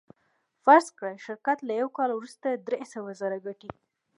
فرض کړئ شرکت له یوه کال وروسته درې سوه زره ګټي